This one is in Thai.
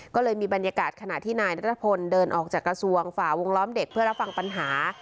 ก็เลยมีบรรยากาศขณะที่นายนัทพลเดินออกจากกระทรวงฝ่าวงล้อมเด็กเพื่อรับฟังปัญหา